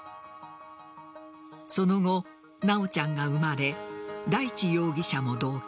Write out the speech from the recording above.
その後、修ちゃんが生まれ大地容疑者も同居。